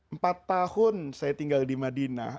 empat tahun saya tinggal di madinah